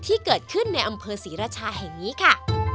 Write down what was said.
ที่เกิดขึ้นในอำเภอศรีราชาแห่งนี้ค่ะ